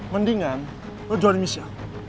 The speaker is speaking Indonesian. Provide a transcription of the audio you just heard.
mendingan lo jual misya